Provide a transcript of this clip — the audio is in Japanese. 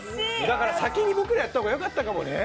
先に僕らがやったほうが良かったかもね。